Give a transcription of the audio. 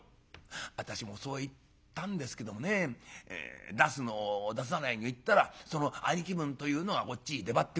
「私もそう言ったんですけどもね出すの出さないの言ったらその兄貴分というのがこっちへ出張ってくる。